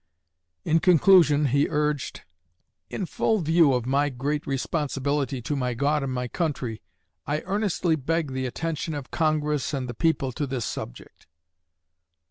In conclusion he urged: "In full view of my great responsibility to my God and to my country, I earnestly beg the attention of Congress and the people to this subject."